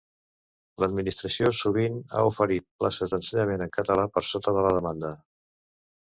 L'administració sovint ha oferit places d'ensenyament en català per sota de la demanda.